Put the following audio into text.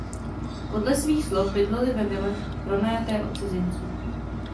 Podle svých slov bydleli ve vile pronajaté od cizinců.